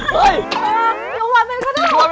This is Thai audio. เกียวกว่าอะไรก็ได้